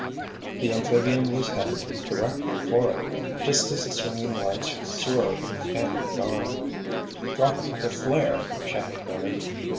The amphibian was headed directly for it. It went close, just as the swinging lights swerved and were gone. "Drop another flare!" shouted Larry.